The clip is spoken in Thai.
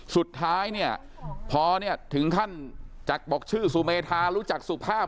สุดท้ายพอถึงท่านจากบอกชื่อสุเมธารู้จักสุภาพ